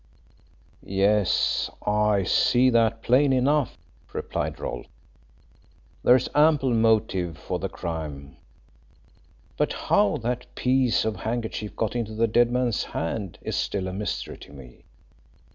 "Yes, I see that plain enough," replied Rolfe. "There is ample motive for the crime, but how that piece of handkerchief got into the dead man's hand is still a mystery to me.